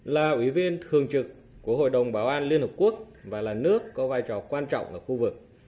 là ủy viên thường trực của hội đồng bảo an liên hợp quốc và là nước có vai trò quan trọng ở khu vực